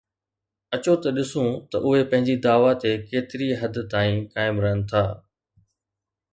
اچو ته ڏسون ته اهي پنهنجي دعويٰ تي ڪيتري حد تائين قائم رهن ٿا